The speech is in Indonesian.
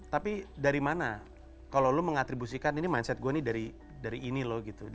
tapi dari mana kalau lo mengatribusikan ini mindset gue nih dari ini loh gitu